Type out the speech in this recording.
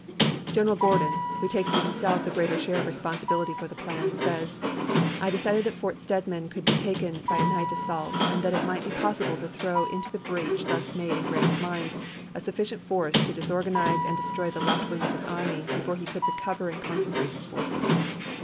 General Gordon, who takes GENERAL JOHN B. GORDON. FIVE FORKS 161 to himself the greater share of responsibility for chap.viil the plan, says: "I decided that Fort Stedman could be taken by a night assault, and that it might be possible to throw into the breach thus G<gj[;?8tto made in Grant's lines a sufficient force to disorgan f?ii o?the ize and destroy the left wing of his army before he erate Gor; could recover and concentrate his forces."